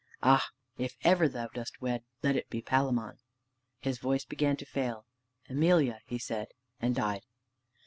Ah, if ever thou dost wed, let it be Palamon!" His voice began to fail. "Emelia!" he said, and died.